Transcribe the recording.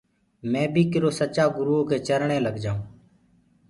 مي بي ڪِرو سچآ گُروٚئو ڪي چرني لگ جآئوٚنٚ۔